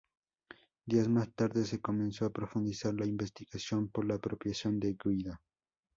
Días más tarde, se comenzó a profundizar la investigación por la apropiación de Guido.